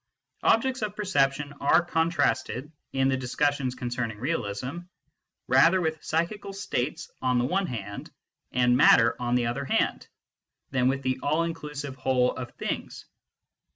Objects of perception are con trasted, in the discussions concerning realism, rather with psychical states on the one hand and matter on the other hand than with the all inclusive whole of things.